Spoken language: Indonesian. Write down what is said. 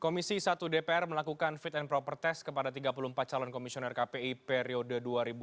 komisi satu dpr melakukan fit and proper test kepada tiga puluh empat calon komisioner kpi periode dua ribu dua puluh